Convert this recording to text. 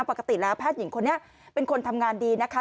ปกติแล้วแพทย์หญิงคนนี้เป็นคนทำงานดีนะคะ